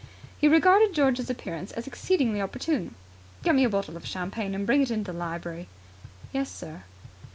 He regarded George's appearance as exceedingly opportune. "Get me a small bottle of champagne, and bring it to the library." "Yes, sir."